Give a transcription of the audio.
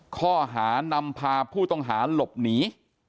ข้อหานำพาผู้ต้องหาหลบหนี